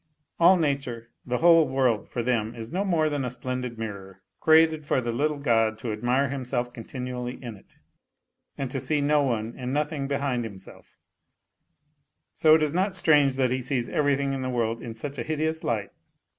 All nature, the whole world for them is no more than a splendid mirror created for the little god to admire him self continually in it, and to see no one and nothing behind himself ; so it is not strange that he sees everything in the world in such a hideous light.